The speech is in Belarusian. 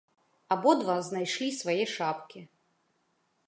Абодва знайшлі свае шапкі.